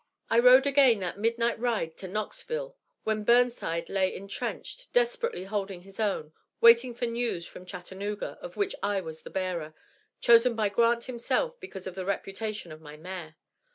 I rode again that midnight ride to Knoxville, when Burnside lay intrenched, desperately holding his own, waiting for news from Chattanooga of which I was the bearer, chosen by Grant himself because of the reputation of my mare.